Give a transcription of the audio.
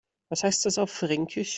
Was heißt das auf Fränkisch?